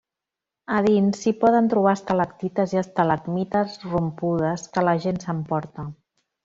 A dins s'hi poden trobar estalactites i estalagmites rompudes que la gent s'emporta.